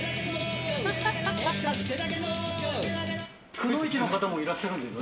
くのいちの方もいらっしゃるんですか？